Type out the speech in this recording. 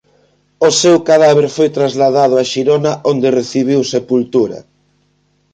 O seu cadáver foi trasladado a Xirona onde recibiu sepultura.